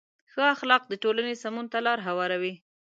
ښه اخلاق د ټولنې سمون ته لاره هواروي.